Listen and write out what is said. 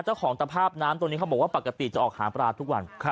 สภาพตภาพน้ำตัวนี้เขาบอกว่าปกติจะออกหาปลาทุกวัน